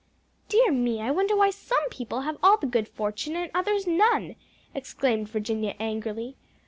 "Dear me, I wonder why some people have all the good fortune and others none!" exclaimed Virginia angrily.